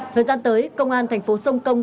thời gian tới công an thành phố sông công